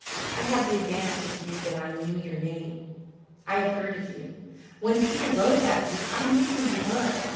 I had the advantage of you that I knew your name I had heard of you. When Peter wrote about you I knew who you were.